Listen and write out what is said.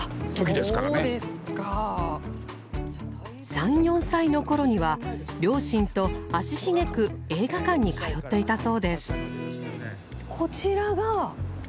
３４歳の頃には両親と足しげく映画館に通っていたそうです。